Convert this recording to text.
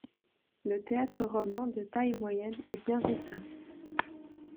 Le théâtre romain, de taille moyenne est bien conservé.